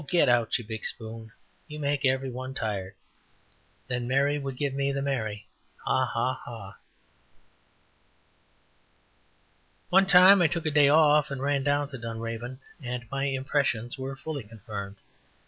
get out you big spoon, you make every one tired." Then Mary would give me the merry, "Ha, ha, ha." One time I took a day off and ran down to Dunraven, and my impressions were fully confirmed.